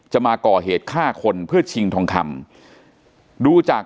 มาก่อเหตุฆ่าคนเพื่อชิงทองคำดูจาก